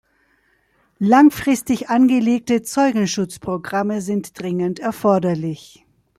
Langfristig angelegte Zeugenschutzprogramme sind dringend erforderlich.